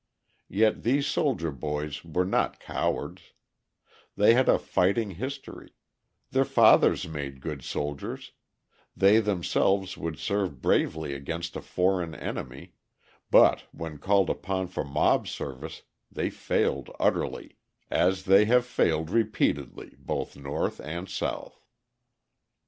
Yet these soldier boys were not cowards; they have a fighting history; their fathers made good soldiers; they themselves would serve bravely against a foreign enemy, but when called upon for mob service they failed utterly, as they have failed repeatedly, both North and South.